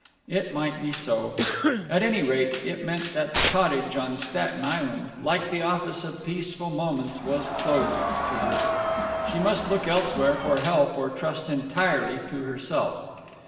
It might be so. At any rate, it meant that the cottage on Staten Island, like the office of Peaceful Moments, was closed to her. She must look elsewhere for help, or trust entirely to herself.